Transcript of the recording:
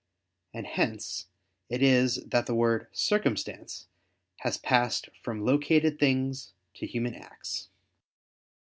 And hence it is that the word "circumstance" has passed from located things to human acts.